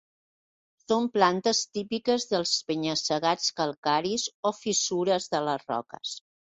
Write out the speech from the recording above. Són plantes típiques dels penya-segats calcaris o fissures de les roques.